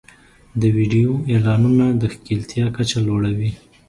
د ویډیو اعلانونه د ښکېلتیا کچه لوړوي.